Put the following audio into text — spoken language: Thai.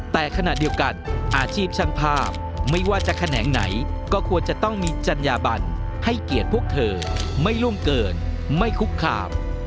แต่ขณะเดียวกันอาชีพช่างภาพไม่ว่าจะแขนงไหนก็ควรจะต้องมีจัญญาบันให้เกียรติพวกเธอไม่ล่วงเกินไม่คุกคาม